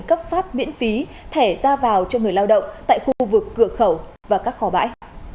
cấp phát miễn phí thẻ ra vào cho người lao động tại khu vực cửa khẩu và các kho bãi